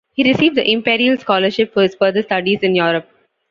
He received the imperial scholarship for his further studies in Europe.